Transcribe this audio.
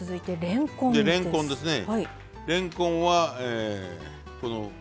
れんこんですね。